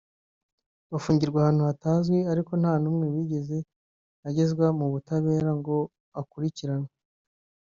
bafungirwa ahantu hatazwi ariko nta n’umwe wigeze agezwa mu butabera ngo akurikiranwe